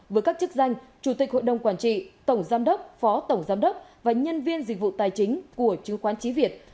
với các chức danh chủ tịch hội đồng quản trị tổng giám đốc phó tổng giám đốc và nhân viên dịch vụ tài chính của chứng khoán chí việt